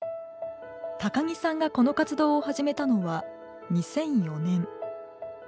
高木さんがこの活動を始めたのは２００４年。